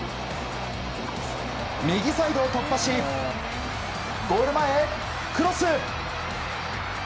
右サイドを突破しゴール前でクロス。